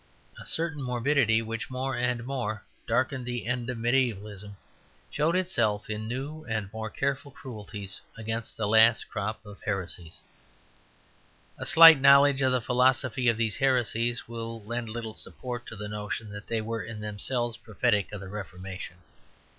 A certain morbidity which more and more darkened the end of mediævalism showed itself in new and more careful cruelties against the last crop of heresies. A slight knowledge of the philosophy of these heresies will lend little support to the notion that they were in themselves prophetic of the Reformation.